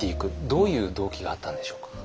どういう動機があったんでしょうか？